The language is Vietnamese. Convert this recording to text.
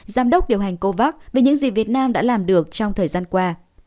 giám đốc điều hành covax về những gì việt nam đã làm được trong thời gian qua